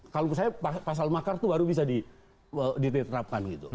kalau misalnya pasal makar itu baru bisa diterapkan